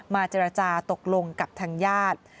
เจรจาตกลงกับทางญาติ